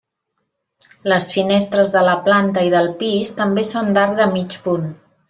Les finestres de la planta i del pis també són d'arc de mig punt.